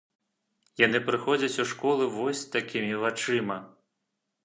Яны прыходзяць у школу вось с такімі вачыма!